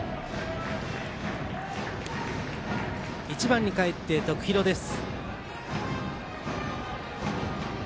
１番にかえって徳弘です。